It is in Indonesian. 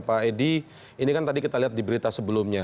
pak edi ini kan tadi kita lihat di berita sebelumnya